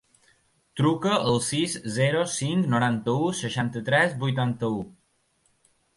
Truca al sis, zero, cinc, noranta-u, seixanta-tres, vuitanta-u.